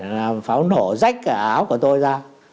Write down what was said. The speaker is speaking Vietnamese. làm pháo nổ rách cái áo của tôi ra